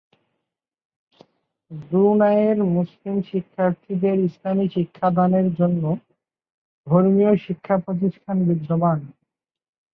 ব্রুনাইয়ের মুসলিম শিক্ষার্থীদের ইসলামি শিক্ষা দানের জন্য ধর্মীয় শিক্ষা প্রতিষ্ঠান বিদ্যমান।